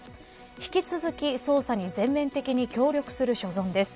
引き続き捜査に全面的に協力する所存です。